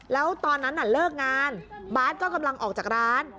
แล้วตอนนั้นน่ะเลิกงานบาทก็กำลังออกจากร้าน